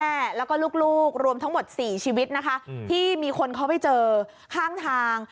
แม่แล้วก็ลูกรวมทั้งหมดสี่ชีวิตนะคะที่มีคนเขาไปเจอข้างทาง